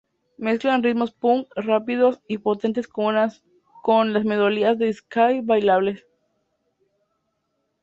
Mezclan ritmos punk rápidos y potentes con las melodías de ska bailables.